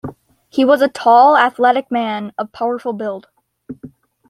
He was a tall and athletic man, of powerful build.